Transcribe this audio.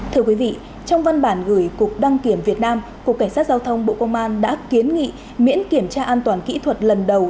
trong văn bản gửi cục đăng kiểm việt nam cục cảnh sát giao thông bộ công an đã kiến nghị miễn kiểm tra an toàn kỹ thuật lần đầu